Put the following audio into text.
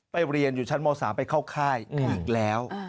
เรียนอยู่ชั้นม๓ไปเข้าค่ายอีกแล้ว